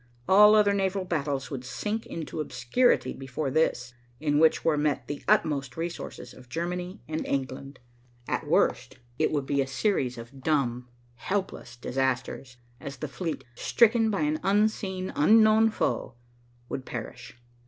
All other naval battles would sink into obscurity before this, in which were met the utmost resources of Germany and England. At worst, it would be a series of dumb, helpless disasters, as the fleet, stricken by an unseen, unknown foe, would perish.